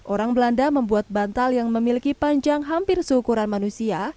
orang belanda membuat bantal yang memiliki panjang hampir seukuran manusia